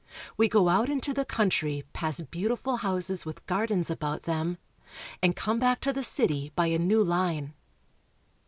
We go out into the country, past beautiful houses with gardens about them, and come back to the city by a new line.